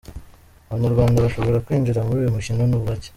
Abanyarwanda bashobora kwinjira muri uyu mukino ni bake.